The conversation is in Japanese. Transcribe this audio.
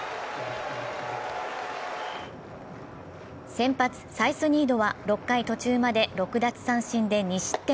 先発・サイスニードは６回途中まで６奪三振で２失点。